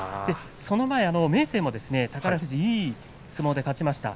その前、明生も宝富士にいい相撲で勝ちました。